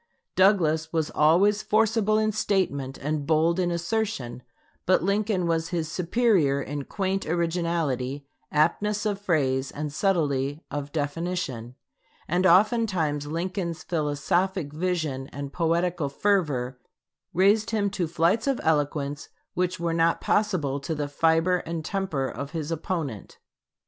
Douglas was always forcible in statement and bold in assertion; but Lincoln was his superior in quaint originality, aptness of phrase, and subtlety of definition; and oftentimes Lincoln's philosophic vision and poetical fervor raised him to flights of eloquence which were not possible to the fiber and temper of his opponent.